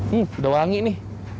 hmm udah wangi nih